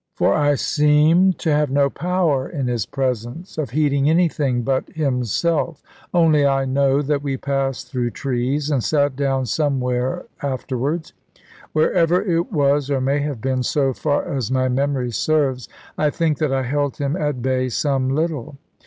For I seemed to have no power, in his presence, of heeding anything but himself: only I know that we passed through trees, and sate down somewhere afterwards. Wherever it was, or may have been, so far as my memory serves, I think that I held him at bay some little.